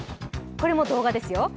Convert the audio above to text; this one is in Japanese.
これも動画ですよ。